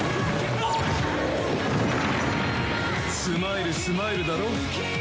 スマイルスマイルだろ？